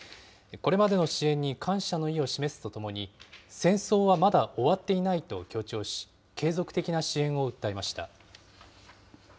これまでの支援に感謝の意を示すとともに、戦争はまだ終わっていないと強調し、継続的な支援を訴えました。